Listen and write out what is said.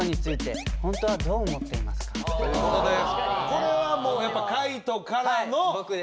これはもうやっぱ海人からの？